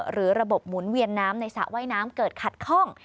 หรือระบบหมุนเวียนน้ำในสระว่ายน้ำเกิดขัดข้อง